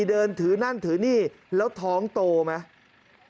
เดินถือนั่นถือนี่แล้วท้องโตไหม